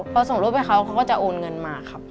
พอส่งรูปให้เขาเขาก็จะโอนเงินมาครับ